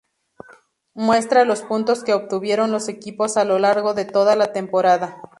Muestra los puntos que obtuvieron los equipos a lo largo de toda la temporada.